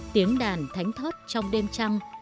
tiếng đàn thánh thót trong đêm trăng